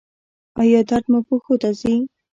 ایا درد مو پښو ته ځي؟